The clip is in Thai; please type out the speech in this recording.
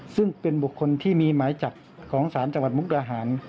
ซึ่งเป็นบุคคลที่มีหมายจับของศาลจังหวัดมุกดาหาร